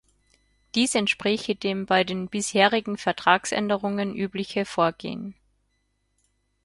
Dies entspräche dem bei den bisherigen Vertragsänderungen übliche Vorgehen.